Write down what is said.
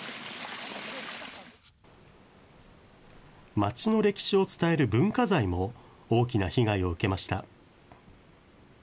町の歴史を伝える文化財も大きな被害を受けました。